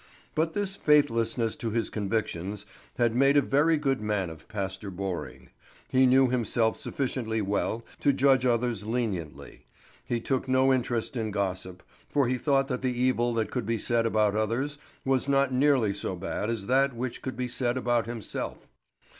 But this faithlessness to his convictions had made a very good man of Pastor Borring. He knew himself sufficiently well to judge others leniently. He took no interest in gossip, for he thought that the evil that could be said about others was not nearly so bad as that which could be said about himself.